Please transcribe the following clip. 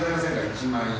１万円。